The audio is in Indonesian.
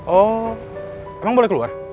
oh emang boleh keluar